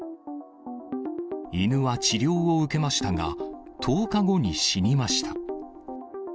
犬は治療を受けましたが、１０日後に死にました。